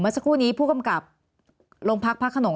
สักครู่นี้ผู้กำกับโรงพักพระขนง